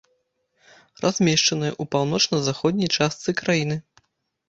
Размешчаная ў паўночна-заходняй частцы краіны.